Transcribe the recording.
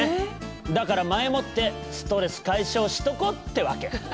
だから前もってストレス解消しとこうってわけ。